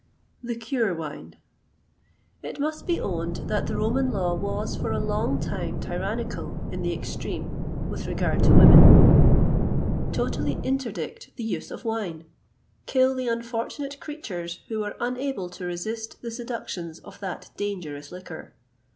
LIQUEUR WINE. It must be owned that the Roman law was, for a long time, tyrannical in the extreme with regard to women. Totally interdict the use of wine! Kill the unfortunate creatures who were unable to resist the seductions of that dangerous liquor!